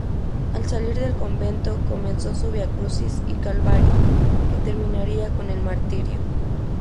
Al salir del convento comenzó su viacrucis y calvario, que terminaría con el martirio.